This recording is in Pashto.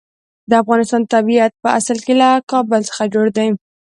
د افغانستان طبیعت په اصل کې له کابل څخه جوړ دی.